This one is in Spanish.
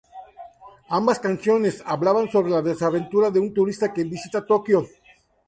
Ambas canciones, hablaban sobre las desventuras de un turista que visita Tokio.